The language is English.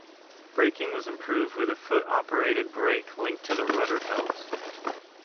Braking was improved with a foot-operated brake linked to the rudder pedals.